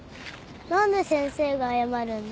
何で先生が謝るんだ？